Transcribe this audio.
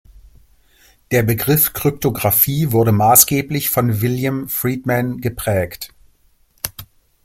Der Begriff Kryptographie wurde maßgeblich von William Friedman geprägt.